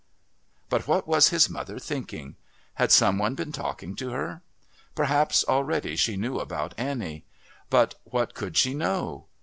But what was his mother thinking? Had some one been talking to her? Perhaps already she knew about Annie. But what could she know?